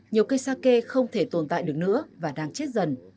nhiều cây sake không thể tồn tại được nữa và đang chết dần